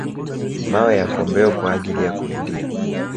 mawe ya kombeo kwa ajili ya kuwindia